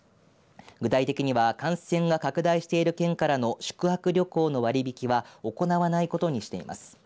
具体的には感染が拡大している県からの宿泊旅行の割り引きは行わないことにしています。